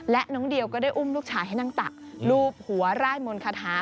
และน้องเดียวก็ได้อุ้มลูกชายให้นั่งตักรูปหัวไร่มนต์คาถา